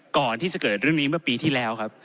ก่อนที่จะเกิดเรื่องนี้เมื่อปีที่แล้วครับ